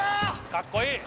かっこいい！